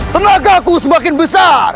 tenagaku semakin besar